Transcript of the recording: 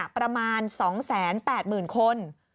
ประมาณ๒๘๐๐๐คน